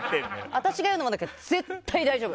私が言うのもなんだけど絶対大丈夫。